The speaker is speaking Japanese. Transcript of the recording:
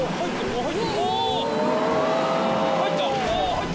入った！